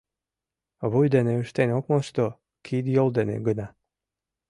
Вуй дене ыштен ок мошто — кид-йол дене гына.